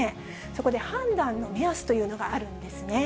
そこで判断の目安というのがあるんですね。